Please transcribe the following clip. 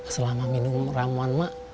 selama minum ramuan mak